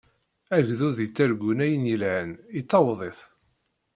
Agdud yettargun ayen yelhan, yettaweḍ-it.